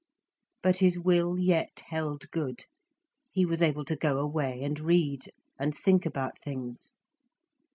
But his will yet held good, he was able to go away and read, and think about things.